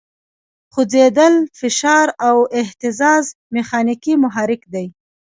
خوځېدل، فشار او اهتزاز میخانیکي محرک دی.